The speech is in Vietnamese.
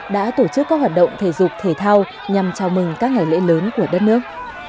đã tổ chức các hoạt động thể dục thể thao nhằm chào mừng các ngày lễ lớn của đất nước